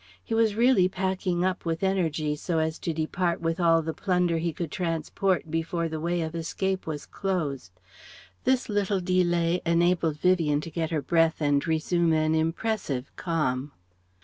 He was really packing up with energy so as to depart with all the plunder he could transport before the way of escape was closed. This little delay enabled Vivien to get her breath and resume an impressive calm.